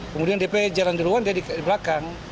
kemudian dp jalan duluan dia di belakang